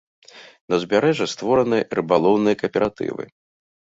На ўзбярэжжы створаны рыбалоўныя кааператывы.